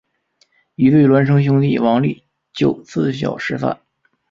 一对孪生兄弟王利就自小失散。